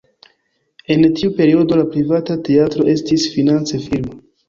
En tiu periodo la privata teatro estis finance firma.